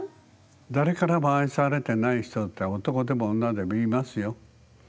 誰からも愛されてない人って男でも女でもいますよ。